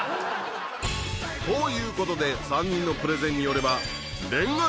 ということで３人のプレゼンによれば。